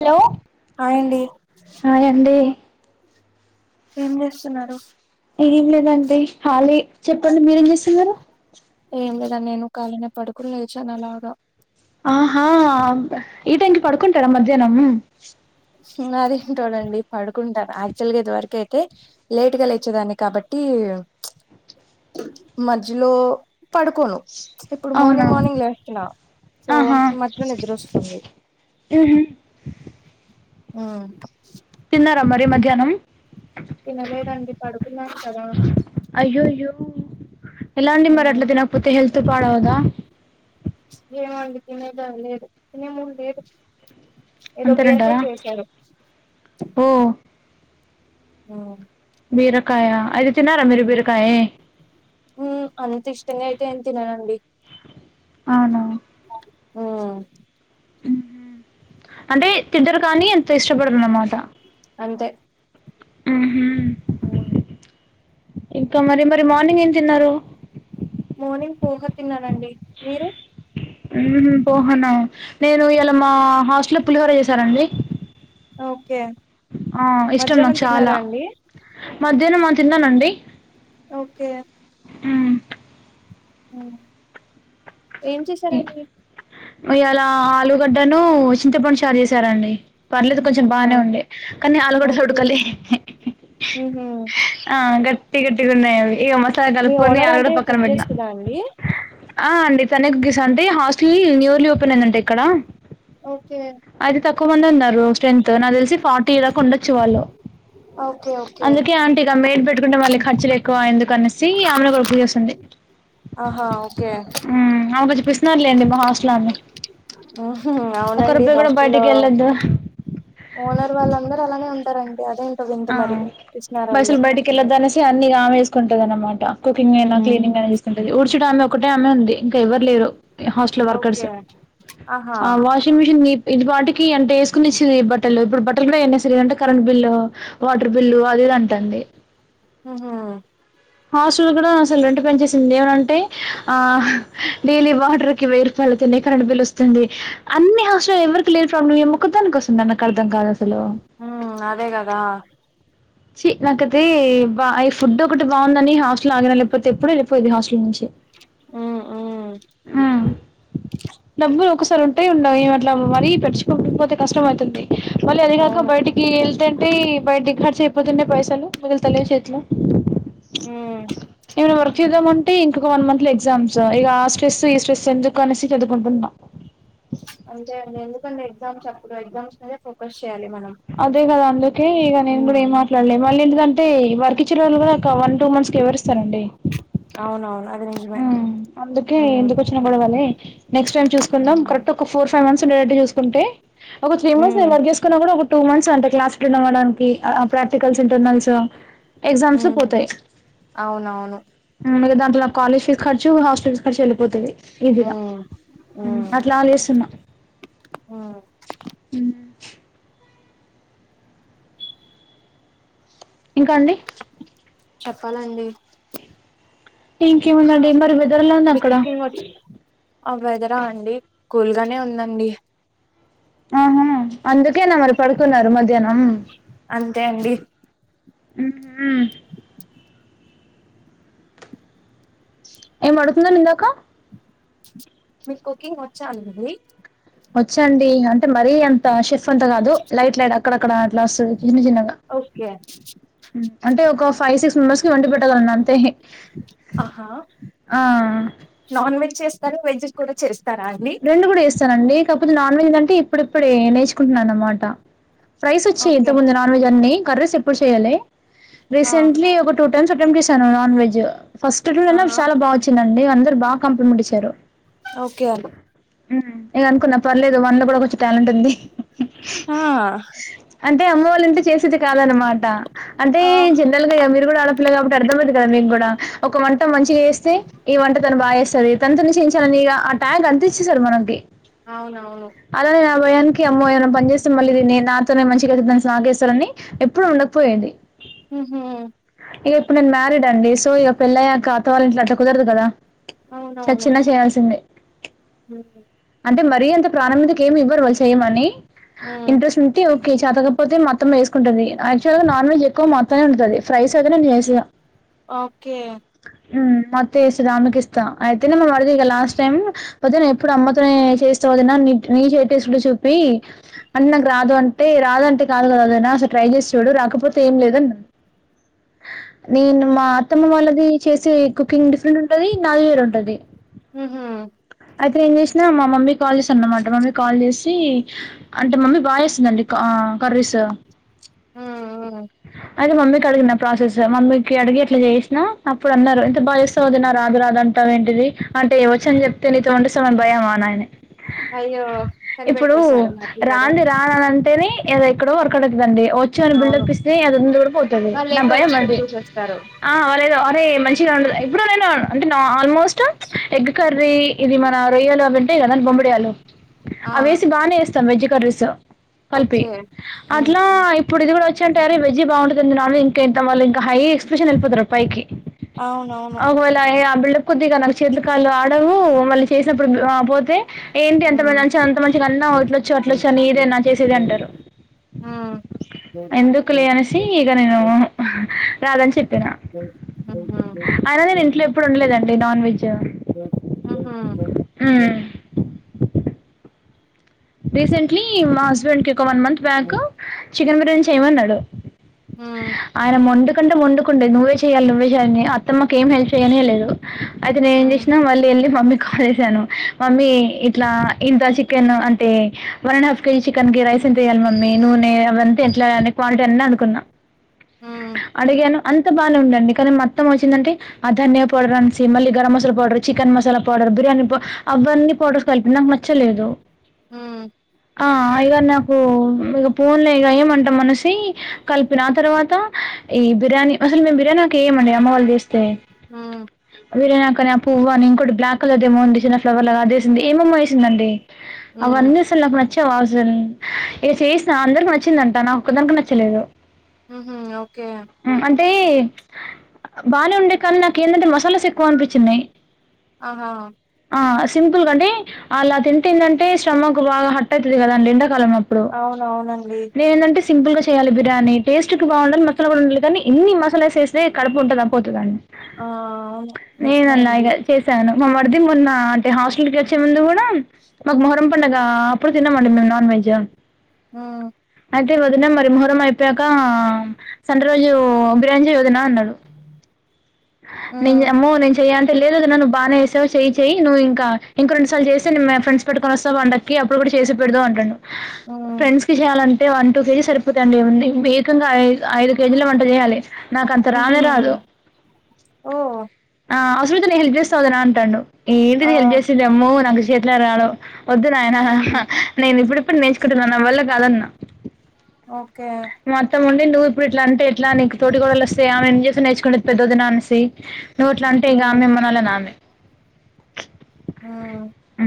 Hello hi అండి hi అండి ఏం చేస్తున్నారు ఏం లేదండి కాలీ చెప్పండి మీరేం చేస్తున్నారు ఏం లేదా నేను కాలీనే పడుకుని లేచాను అలాగా ఆహా ఈ టైం కి పడుకుంటారా మధ్యాహ్నం మరి చోడండి పడుకుంటా యాక్చువల్గా ఇది వరకు అయితే లేట్గా లేచేదాన్ని కాబట్టి మధ్యలో పడుకోను ఇప్పుడు అవునా మార్నింగ్ మార్నింగ్ లేస్తున్నా సో మస్త్ నిద్ర వస్తుంది ఉహు ఆ తిన్నారా మరి మధ్యాహ్నం తినలేదండి పడుకున్నాను కదా అయ్యయ్యో ఎలాండి మరి అట్లా తినకపోతే హెల్త్ పాడవదా ఏమో అండి తినే టైం లేదు తినే మూడ్ లేదు ఏదో అంతేనంటార బీరకాయ చేశారు ఓ ఆ బీరకాయ అది తినరా మీరు బీరకాయి ఉ అంత ఇష్టంగా అయితే ఏమి తినను అండి అవునా ఉ అంటే తింటరు కానీ అంత ఇష్టపడరు అన్నమాట అంతే ఉహు ఉ ఇంకా మరి మరి మార్నింగ్ ఏం తిన్నారు మార్నింగ్ పోహ తిన్నానండి మీరు ఉహు పోహ నా నేను ఇయల మా హాస్టల్లో పులిహోర చేశారండి ఓకే ఆ ఇష్టం మధ్యాహ్నం నాకు చాలా తిన్నారా అండి మధ్యాహ్నం మా తిన్నానండి ఓకే మ్మ్. హ్మ్. ఏం చేశారండి ఇయాలా ఆలుగడ్డను చింతపండు చారు చేసారండి పర్లేదు కొంచెం ఆహా బానే ఉండే కానీ ఆలుగడ్డ ఓకే ఉడకల్లి హుహు. ఆ గట్టి గట్టిగా ఉన్నాయి అవి ఇక మసాలా కలుపుకొని ఆరు కూడా పక్కన పెట్టినా నాండి ఆ అండి తన కుగసా అంటే హాస్టల్ న్యూర్లీ ఓపెన్ అయిందంటే ఇక్కడ ఓకే ఐతే తక్కువ మందే ఉన్నారు స్ట్రెంత్ నా తెలిసి ఫార్టీలాకు ఉండొచ్చు వాళ్ళు ఓకే ఓకే అందుకే ఆంట్ ఇక మేట్ పెట్టుంటే మళ్ళీ ఖర్చులెక్కువ ఎందుకనేసి ఆమను కూడుకు చేస్తుంది ఆహా ఓకే ఉమ్ ఆమె కొంచం పిసినారి లేండి మా హాస్టల్ ఆమె ఊహు ఒక్క అవునండి రూపాయి కూడా హాస్టల్లో బయటికి వెళ్ళొద్దు ఓనర్ వాళ్ళందరూ అలానే ఉంటారండి అదే ఏంటో వింత మరి పిసినారోళ్ళే ళ్లాదనేసి అన్ని ఇగ ఆమేసుకుంటంది అన్నమాట కుకింగ్ అయినా క్లీనింగ్ అయినా ఊడ్చట ఆమె ఒకటే ఆమె ఉంది ఇంకా ఎవ్వరు లేరు హాస్టల్ వర్కర్స్ ఓకే ఆహా ఆ వాష్ వాషింగ్ మిషిన్ ఇది వాటికి అంటే వేసుకుని ఇచ్చింది బట్టలు ఇప్పుడు బట్టలు కూడా ఏయనిస లేదు అంటే కరెంట్ బిల్లు వాటర్ బిల్లు అది ఇది అంటంది ఊహు హాస్టల్ కూడా అసలు రెంట్ పెంచేేసింది ఏమనంటే ఆ డైలీ వాటర్ కి వేరు వాళ్ళతోనే కరెంటు బిల్ వస్తుంది అన్ని హాస్లు ఎవరికి లేని ప్రాబ్లం ఈమొక్కదానికే వస్తుంద నాకు అర్థం కాదు అసలు ఊ అదే కదా చి నాకతే వ ఈ ఫుడ్ ఒకటి బాగుందని హాస్టల్ ఆగిన లేకపోతే ఎపుడో వెళ్ళపోది ఈ హాస్టల్ నుంచి ఊ డబ్బులు ఒకసారి ఉంట్ టయి ఉండయి మరీ పెంచుకోకపోతే కష్టం అవుతుంది మళ్ళీ అది కాక అవును బయటికి కి వెళ్తేంటే బయటికి ఖర్చ అయిపోతుండే పైసలు మిగితలే చేతిలో హ్మ్. ఏమైనా వర్క్ చేద్దామంటే ఇంకొక వన్ మంత్ లో ఎగ్జామ్స్ ఇగాస్ స్ట్రెస్ ఈ స్ట్రెస్ కనెసి చదువుకుంటన్నా అంతే అండి ఎందుకంటె ఎగ్జామ్స్ అప్పుడు ఎగ్జామ్స్ మీద ఫోకస్ చేయాలి మనం అదే కదా అందుకే ఇగ నేను కూడా ఏ ఉమ్ మా రండి మళ్ళీ ఎందుకంటే వర్క్ ఇచ్చిన వాళ్ళు కూడా ఒక వన్ టూ మంత్స్ కి ఎవరిస్తారండి అవునవును అది ని ఊ అందుకే ఎందుకు వచ్చిన గొడవలే నెక్స్ట్ టై చూకుందాం కరక్ట్ ఒక ఫోర్ ఫైవ్ మంత్స్ ఉండేటట్టు చూసుకుంటె ఒక త్రీ మంత్స్ నే ఉమ్ వర్క్ చేసు కూడా ఒక టూ మంత్స్ అంటే క్లాస్ ఇవ్వడానికి ప్రాక్టికల్స్ ఇంటర్నల్స్ ఎగ్జామ్స్ ఉమ్ పోతాయి అవునవును ఊ ఇగ దాంట్లో నా కాలజ్ ఫీస్ ఖర్చు హస్టల్ ఫీస్ ఖర్చు వెళ్లిపోతయ్ ఈజిగా ఉమ్ ఉమ్ అట్లా లేస్తున్నా ఉమ్ ఇంకా అండి చెప్పాలండి ఇంకేముందండి మరి వెదరెల ఉంది అక్కడ మొచ్ ఆ వెదరా అండి కూల్గానే ఉందండి ఆహా అందుకేన మరి పడుకున్నారు మధ్యాహ్నం అంతే అండి ఊ ఏం మడుతున్నారు ఇందాక మీకు కుకింగ్ వచ్చా అండీ వచ్చండి అంటే మరీ అంత షెఫ్ అంత కాదు లైట్ లైట్ అక్కడక్కడ అట్లా వస్తుంది చిన్న చిన్నగా ఓకే అంటే ఒక ఫైవ్ సిక్స్ మెంబర్స్ కి వండి పెట్టగలను అంతే ఆహా ఆ! నాన్ వెజ్ చేస్తార వెజ్ కూడా చేస్తారా అండి రెండు కూడా చేస్తానండి కాకపోతే నాన్ వెజ్ ఏందంటే ఇప్పుడు ఇప్పుడే నేర్చుకుంటున్నా అన్నమాట ఫ్రైస్ వచ్చాయి ఇంత ఓకే ముందు నాన్ వెజ్ అన్ని కర్రీస్ ఎప్పుడు చేయాలే ఆ రీసెంట్లీ ఒక టూ టైమ్స్ అటామ్ చేసా నాన్ వెజ్ ఫస్ట్ ఆహా చాలా బాగొచ్చింది అండి అందరు బాగా కాంప్లిమెంట్ ఇచ్చారు ఓకే అండి ఉమ్ ఇగ అనుకున్నా పర్లేదు వాళ్లో కూడా కొంచెం టాలెంట్ ఉంది ఆ అంటే అమ్మ వాళ్ళ ఇంట్లో చేసేది కాదనమాట అంటే ఆ తెలియదు మీరు కూడా ఆడపిల్ల కాబట్టి అర్థమవుతుంది కదా మీకు కూడా ఒక వంట మంచిగా చేస్తే ఈ వంట తను బాగా చేస్తాది తన తోనె చేయించాలని ఆ ట్యాంగ్ అంటించ్చేశారు మనకి అవునవును అలా నేను ఆ భయానికి అమ్మో ఏమైనా పని చేస్తే మళ్ళీ దీన్ని నాతోనే మంచిగాదిద్దామని నాకిస్తారని ఎప్పుడు ఉండకపోయెది ఉహు ఇక ఇప్పుడు నేను మ్యారీడ్ అండి సో ఇక పెళ్ళయ్యాక అ అత్త వాళ్ల ఇంట్లో అట్ల కుదరదు కదా చచ్చిన చేయాల్సిందే ఉహు అంటే మరీ అంత ప్రాణం మీదకి ఏమి ఇవ్వరు వాళ్లు చెయమని హ్మ్ ఇంట్రెస్ట్ ఉంటే చతకపోతే మా అత్తమ్మ చేసుకుంటది యాక్చువల్గా నాన్ వెజ్ ఎక్కువ మా అత్తనే వండుతా ఫ్రైస్ అయితే నేను చేస్తా ఓకే ఉమ్ మా అత్త చేస్తది ఆమెకే ఇస్తా అయితే మన అడిగేదే లాస్ట్ పొద్దున నే ఎప్పుడు అమ్మతోనే చేస్తా వదినా నీ టెస్ట్ చూపి చూపి అన్న నాకు రాదు అంటే రాదు అంటే కాదు కదా వదిన అసలు ట్రై చేసి చూడు రాకపోతే ఏం లేదని అన్నాడు నేను మా అత్తమ్మ వాళ్ళది చేసే కుకింగ్ డిఫరెంట్ ఉంటది నాది వేరు ఉంటది ఉహు అయితే నేను ఏం చేసినా మా మమ్మీ కాల్ చేసాను అన్నమాట మమ్మీకి కాల్ చేసి అంటే మమ్మీ బాగా చేస్తుందండి కర్రీస్ హ్మ్ హ్మ్. అయితే మమ్మీకి అడిగిన ప్రాసెస్ మమ్మీకి అడిగి ఇట్లా చేసినా అప్పుడు అన్నారు ఎంత బాగా చేేస్తావు వదిన రాదు రాదు అంటవు అంటా ఏంటిది అంటే వచ్చని చెప్తే నీతో వండిస్తామని భయం ఆయన అయ్యో ఇప్పుడు కనిపెట్టేశాడు మరిది గారు రాంది రానని అంటేనే ఎక్కడో వర్క వర్క అవుట్తుందండి వచ్చు అని అవును బిల్డిప్ అది ఉంది కూడా పోతది అది వాళ్ళు నా ఎక్కువ భయము అండి ఎక్స్పెక్ట్ చేసేస్తారు ఆ అరేదు అరే మంచిగా వండు ఎప్పుడు నైనా అంటే ఆల్మోస్ట్ ఎగ్ కర్రీ ఇది మన రొయ్యలు అవి ఉంటాయి కదండీ బొమిడియాలు ఆ అవేసి బానేేస్తాం వెజ్ కర్రీస్ కలిపి ఓకే హ్మ్ అట్లా హ్మ్. ఇప్పుడు ఇది కూడా వచ్చి అరే వేజ్ బాగుంటంది అని నాన్ వెజ్ ఎంతా ఇంకా హై ఎక్స్ప్రెషన్ వెళ్లిపోతారు పైకి అవునవును ఒకవేళ ఆ బిల్డప్ కొద్దిగా నాకు చేతుల కాళ్లు ఆడవు మళ్లీ చేసినప్పుడు పోతే ఏంటి ఎంత మంచి హ్మ్. మంచి అంత మంచిగాన్నా హ్మ్. అట్లొచ్చి హుహు. అట్లొచ్చి అని ఇదేనా చేసేది అంటారు ఉమ్ వద్దులే అనేసి ఇక నేను రాదని చెప్పిన అహ ఇ నాన్ వెెజ్ ఆహా రీసెంట్లీ మా హస్బెండ్ కి ఒక one month back chicken biryani చేయమన్నాడు ఆయన మొండు కంటే మోండుకుండేయ్ నువ్వేచేయాల నువ్వే చేయాలి అత్తమ్మ ఏం హెల్ప్ చేయనే లేదు అయితే నేను ఏం చేసినా మళ్ళీ వెళ్ి మమ్మీ కాల్ చేశాను మమ్మీ ఇట్లా ఇంత చికెన్ అం టే one and half KG chicken కి రైస్ంత వెయాలి మమ్మీ నూనే అవంత ఎట్లా కక్వాంటిటీ అన్ని కనుకున్నా హ్మ్. అడిగాను అంత బానే ఉదండి కానీ మొత్తం వచ్చిందంటే ఆ ధన్యా పౌడర్ అసి మళ్ీ garam masala powder chicken masala powder biryani powder అవన్నీ పౌడర్ కలిపిన నాకు నచ్చలేదు హ ఆ ఇగ నాకు ఇక ఫోన్ లో ఇక ఏమంటా మనిసి కలిపిన ఆ తర్వాత ఈ బిర్యానీ అసలు మేము బిర్యానీ ఆకు వేయమండి అమ్మవాళ్ళ చేస్తే హ్మ్. బిర్యానీ కాని పువ్వా ఇకోటి బ్లాక్ కలర్ ఏమోంది చిన్న ఫ్లవర్ లా అది వేసింది ఏమమ్మ వేసిందండి హ్మ్. అవన్నీ అసలు నాకు నచ్చావ అసలు ఇక చేయిసిన అందరికి నచ్చిందంట నాకు ఒదాకె నచ్చలేదు హ్మహు ఓకే అంటే బానే ఉండే కానీ నాకు ఏందంటే మసాలాస్ ఎక్కువ అనిపించింన్నాయి ఆహా హా ఆ సింపుల్గాంటడి అలా తింటందంటే శ్రమకు బాగా హట్ట అవుతుంది కదాండి ఎండాకాలంంలో ఇడు అవునవునండి నేను అంటె సింపుల్ చేయాలి బిర్యానీ టస్ట్ి బాగుండాలి మసా కూడా ఉండాలి కానీ ఏన్ని మసాలా వే ే కడుపు ఉంటే నొప్పైతదండి ఆ అవును నిజమే అండి నేనున్నాగా చేశాను మా మ్మరిది మొన్న అంటే హాస్టల్ కి వచ్చే ముందు కూడా మాకు మొహరం పడుగ అప్పుడు తిన్నామండి మేము నాన్ వెజ్ హ అయితే వదిన మరి ముహరం అయిపోక సండే రోజు బిర్యానీ చేయ్ వదిన అన్నాడు నేను ఉమ్ చే అమ్మో నేను చెయ్య అంటే లేదు నన్న ను్వు బాగానే వస్తావు చెయ చెయి నువ్వు ఇంకా ఇంకో రేండుసార్లు చేస్తేయ్ మా ఫ్రండ్స్ పెటుకొ వాస్త పండక్కి అప్పుడు కూడా చేసి పెడుదు అంటాడు ఉమ్ ఫ్రెండ్స్ కి చేయాలం అంటే వన్ టూ కేజీ సరిపోతండి ఏకంగా ఐ ఐదు కేజీల వంట చేయాలి నాకంత ఉహూ రానే రాదు ఓ ఆ అవసరం అయితే నేను హెల్ప్ చేస్తా వదిన అంటాడు ఆ ఏంది హెల్ప్ చేసేదేమో నాకు చేతిలో రాదు వద్దు నాయనా ఉమ్ నేను ఇప్పుడిప్పుడు నేర్చుకుంటున్నా నా వల్ల కాదన్నా ఓకే మా అత్తమ్మ ఉండి నువ్వు ఇప్పుడు ఇట్లా అంటే ఎట్లా నీకు తోటి గడలు వస్తే ఆమె ఎం చూసి నేర్చుకుంటాది పెద్ద వదిన అనేసి నువ్వు అట్ల అంటే ఇక ఉమ్ ఆమె ఏమనాలి అనే ఆమె ఉమ్ ఉ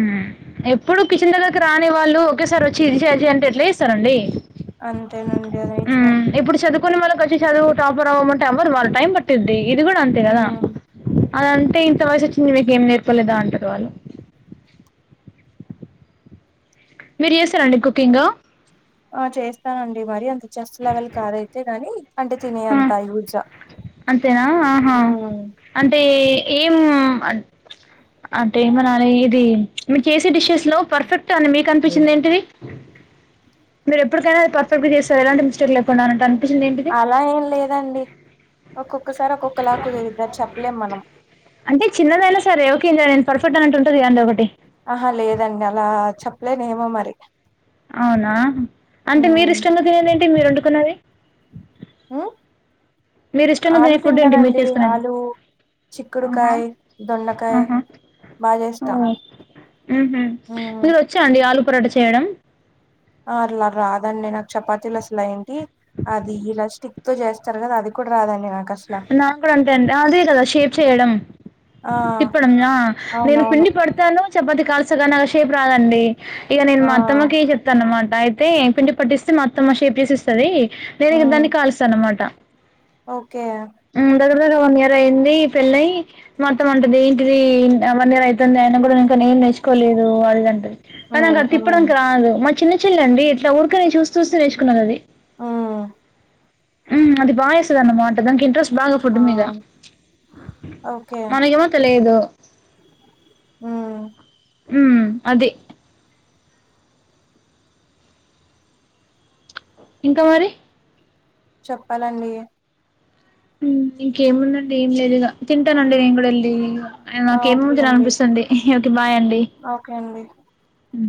ఎప్పుడు కిచన్ దగ్గరకి రాని వాళ్ళు ఒకేసారి వచ్చి ఇది చెయ్యి అది చెయ్యి అంటే ఎట్ల చేస్తారండి అంతే నండి అది నిజమే హ్మ్. ఇప్పుడు చదువుకోని వాళ్ళకి వచ్చి చదువు టాపర్ అవ్వమంటే అవ్వరు వాళ్ళు టైం పట్ద్ది ఇది కూడా అంతే కదా ఉమ్ అదంటే ఇంత వయసు వచ్చింది మీకేం నేర్పాలేదా అంటారు వాళ్ళు మీరు చేసారండి కుకింగ్ ఆ చేస్తానండి మరి అంత చెఫ్ లెవెల్ కాదైతే గాని అంటే ఆ! తినేంతయి యూజ్ అంతేనా ఆహా అంటే ఏం అంటే ఏమనాలి ఇది మీరు చేసే డిషెస్లో పర్ఫెక్ట్ అని మీకు అనిపించింది ఏంటిది మీరు ఎప్పుటికైనా పర్ఫెక్ట్ గా చేస్తారు ఎలాంటి మిస్టేక్ లేకుండా అనంటానానికీ అలా ఏం లేదండి ఒక్కొక్కసారి ఒక్కొక్కలా కుదురిది ఆది చెప్పలేం మనం అంటే చిన్నదైనా సరే ఓకే నేను పర్ఫెట్ అంట ఉంటుది కదాండి ఒకటి ఆహా లేదండి అలా చెప్పలేనే ఏమో మరి అవునా అంటే మీరు ఉమ్ ఇష్టంగా తినేది ఏంటి మీరు వండుకున్నది ఉ మీరు ఇష్టంగా తినే ఆలు ఫుడ్ ఏంటి మీరు తింటానండి చేసుకునేది ఆలు ఆహా చిక్కుడుకాయి దొండకాయి ఆహా బాగా చేస్తా ఉహు ఉమ్ మీకు వచ్చాండి ఆలు పరోట చేయడం అ అలా రాదండి నాకు చపాతీలు అసలు ఏంటి అది ఇలా స్టిక్తో చేస్తారు కదా అది కూడా రాదండి నాకు అసల్ నా కూడా అంటే అంటడి అదే కదా షేప్ చేయడం ఆ తిప్పడం ఆ నేను అవునవును పిండి పడ్ తను చపాతి కాల్సగా నాషేపు రాదండి ఇగ నేను ఆ మా అత్తమ్మకి ఇగ తన్ అనమాట అయితే పిండి పట్టిస్తే మా అత్తమ్మ షేప్ చేసి ఇస్తుంది నేను హ్మ్ దాన్ని కాల్స్తా అనమాట ఓకే ఉ దగ్గర దగ్గర వన్ ఇయర్ అయింది పెళ్ళయి మా అత్తమ్మ అంటది ఇది వన్ ఇయర్ అవుతుంది ఆయన కూడా ఇంక నువ్వు ఏం నేర్చుకోలేదు అది ఇది హ్మ్ అంటుంది అది హ్మ్ తిప్పడానికి రాదు మా చిన్న చెల్ల అండి ఇట్లా ఊకనే చూస్త చూస్త నేర్చుకున్నది అది ఉమ్ ఉ అది బాగా చేస్తది అన్నమాట దానికి ఇంట్రెస్ట్ బాగా ఫుడ్ ఆ మీద మనకేమో తెలియదు ఉ ఉ అది ఇంకా మరి చెప్పాలండి ఉ ఇంకేముందండి ఏంలేదు ఇగ తింటానండి నేను కూడా వెళ్ళి ఇగ ఆ నాకెమో ఓకే అండి తినాలనిపిస్తుంది ఓకే బాయ్ అండి ఓకే అండి ఉ